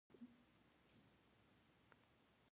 پابندي غرونه د افغانستان د جغرافیې یوه ښه بېلګه ده.